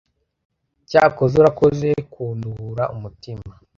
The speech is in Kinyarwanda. cyakoze urakoze kunduhura umutima